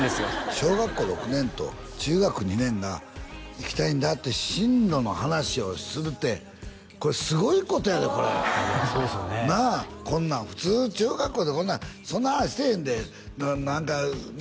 小学校６年と中学２年が行きたいんだって進路の話をするってこれすごいことやでこれいやそうですよねこんなん普通中学校でそんな話せえへんで何かね